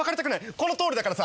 このとおりだからさ。